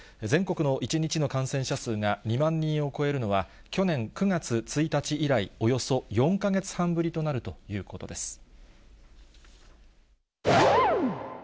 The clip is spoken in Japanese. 全国の１日の感染者数が２万人を超えるのは去年９月１日以来、およそ４か月半ぶりとなるということです。